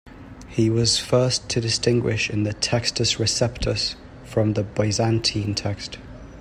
He was the first to distinguish the "Textus Receptus" from the Byzantine text.